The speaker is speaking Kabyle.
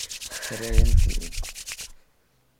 Terra-yam-tt-id.